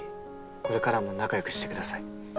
これからも仲良くしてください。